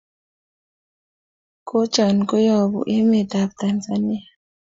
Kojan ko yapu emet ab Tanzania